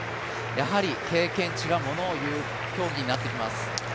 やはり経験値がものを言う競技になってきます。